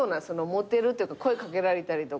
モテるというか声掛けられたりとか。